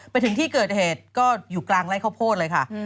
ไปถึงที่เกิดเหตุก็อยู่กลางไล่ข้าวโพดเลยค่ะ